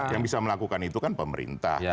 yang bisa melakukan itu kan pemerintah